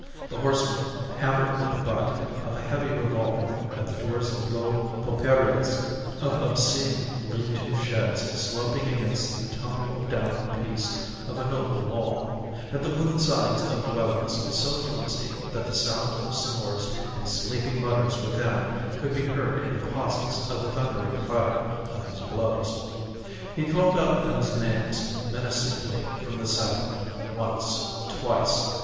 The horseman hammered with the butt of a heavy revolver at the doors of low pulperias, of obscene lean to sheds sloping against the tumble down piece of a noble wall, at the wooden sides of dwellings so flimsy that the sound of snores and sleepy mutters within could be heard in the pauses of the thundering clatter of his blows. He called out men's names menacingly from the saddle, once, twice.